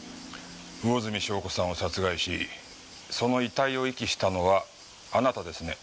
魚住笙子さんを殺害しその遺体を遺棄したのはあなたですね？